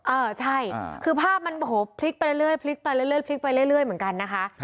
เออใช่คือภาพมันพลิกไปเรื่อยเหมือนกันนะคะ